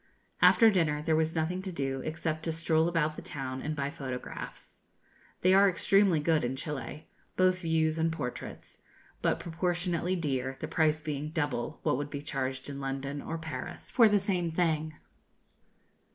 After dinner, there was nothing to do except to stroll about the town and buy photographs. They are extremely good in Chili both views and portraits but proportionately dear, the price being double what would be charged in London or Paris for the same thing.